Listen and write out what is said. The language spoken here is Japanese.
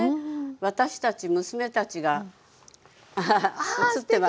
私たち娘たちがアハハ写ってますね。